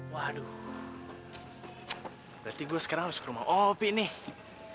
waduh berarti gue sekarang harus ke rumah opi nih